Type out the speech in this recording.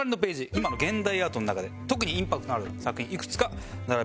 今の現代アートの中で特にインパクトのある作品いくつか並べてみました。